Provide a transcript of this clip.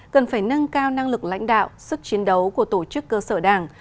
cần phải nâng cao năng lực lãnh đạo sức chiến đấu của tổ chức cơ sở đảng